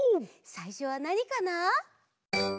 さいしょはなにかな？